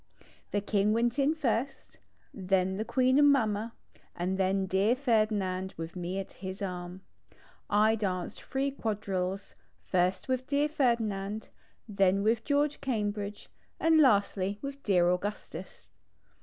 The King went in first, then the Queen and Mamma, and then dear Ferdinand with me at his arm. I danced 3 quadrilles ; ist with dear Ferdinand, then with George Cambridge, and lastly with dear Augustus.